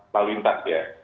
lalu intas ya